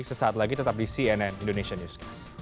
sesaat lagi tetap di cnn indonesian news